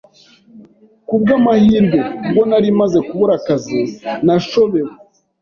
Ku bw’amahirwe, ubwo nari maze kubura akazi nashobewe,